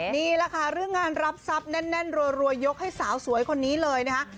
นี่แหละค่ะเรื่องงานรับทรัพย์แน่นรัวยกให้สาวสวยคนนี้เลยนะคะ